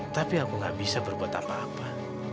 tapi aku gak bisa berbuat apa apa